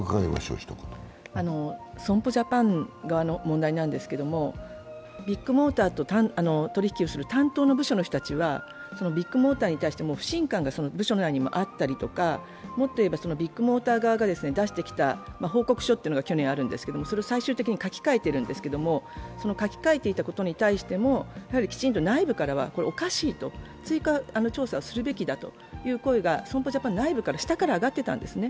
損保ジャパン側の問題なんですけれどもビッグモーターと取り引きをする担当部署の人たちはビッグモーターに対して不信感が部署内にあったりとかもっと言えばビッグモーター側が出してきた報告書というのが昨年、あるんですけれどもそれを最終的に書き換えてるんですけど、書き換えていたことに対してもきちんと内部からはおかしい追加調査をするべきだという声が損保ジャパン内部から下から上がっていたんですね。